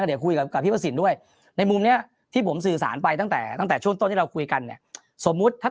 เดี๋ยวคุยกับพี่ประสินด้วยในมุมนี้ที่ผมสื่อสารไปตั้งแต่ตั้งแต่ช่วงต้นที่เราคุยกันเนี่ยสมมุติถ้า